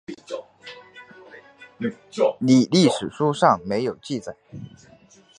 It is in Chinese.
李历史书上没有记载。